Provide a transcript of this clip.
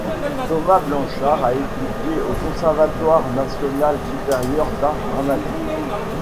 Thomas Blanchard a étudié au Conservatoire national supérieur d'art dramatique.